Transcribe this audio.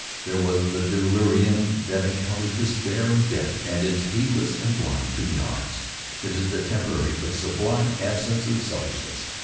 There was the delirium that encounters despair and death, and is heedless and blind to the odds. It is a temporary but sublime absence of selfishness.